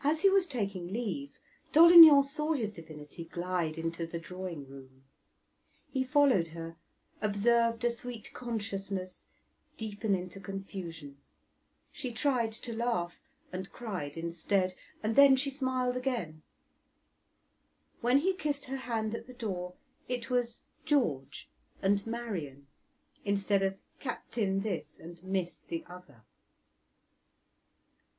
As he was taking leave, Dolignan saw his divinity glide into the drawing room. He followed her, observed a sweet consciousness deepen into confusion; she tried to laugh, and cried instead, and then she smiled again; when he kissed her hand at the door it was "George" and "Marian" instead of "Captain" this and "Miss" the other.